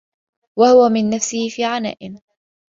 وَهُوَ مِنْ نَفْسِهِ فِي عَنَاءٍ